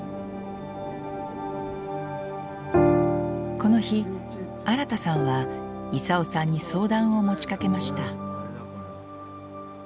この日新さんは功さんに相談を持ちかけました。